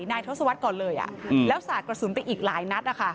นายทศวรรษก่อนเลยแล้วสาดกระสุนไปอีกหลายนัดนะคะ